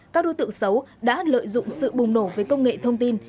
các đối tượng xấu đã lợi dụng sự bùng nổ với công nghệ thông tin